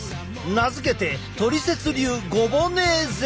名付けてトリセツ流ゴボネーゼ！